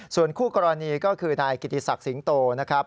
ส่วนคู่กรณีก็คือนายกิติศักดิ์สิงโตนะครับ